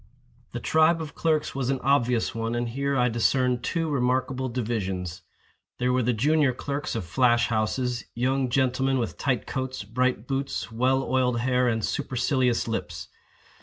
The tribe of clerks was an obvious one and here I discerned two remarkable divisions. There were the junior clerks of flash houses—young gentlemen with tight coats, bright boots, well oiled hair, and supercilious lips.